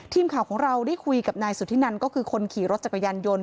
ทีมข่าวของเราได้คุยกับนายสุธินันก็คือคนขี่รถจักรยานยนต์